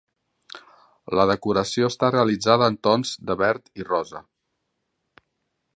La decoració està realitzada en tons de verd i rosa.